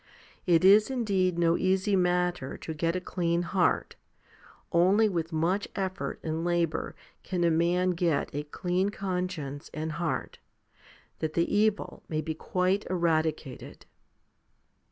It is indeed no easy matter to get a clean heart; only with much effort and labour can a man get a clean conscience and heart, that the evil may be quite eradicated.